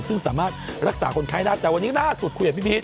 ซึ่งสามารถรักษาคนไข้ได้แต่วันนี้ล่าสุดคุยกับพี่พีช